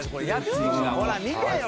ほら見てよ